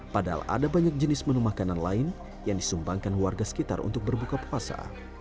padahal ada banyak jenis menu makanan lain yang disumbangkan warga sekitar untuk berbuka puasa